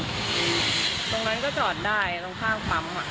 ตรงนั้นก็จอดได้ตรงข้างปั๊มค่ะ